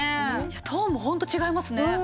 トーンもホント違いますね。